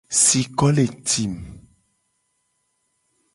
Siko le tim.